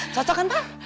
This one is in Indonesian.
cocok kan pak